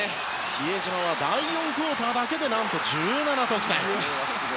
比江島は第４クオーターだけで何と１７得点。